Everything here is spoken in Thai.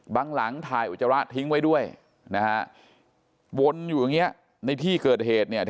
หลังถ่ายอุจจาระทิ้งไว้ด้วยนะฮะวนอยู่อย่างนี้ในที่เกิดเหตุเนี่ย